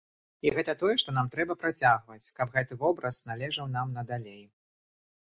І гэта тое, што нам трэба працягваць, каб гэты вобраз належаў нам надалей.